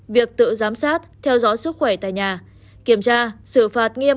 việc tự giám sát theo dõi sức khỏe tại nhà kiểm tra xử phạt nghiêm